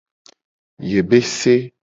Yebese.